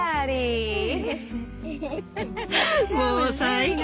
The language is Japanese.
もう最高。